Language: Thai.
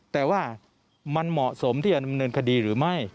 แต่ว่ามันเหมาะสมที่จะดำเนินคดีหรือไม่